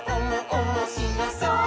おもしろそう！」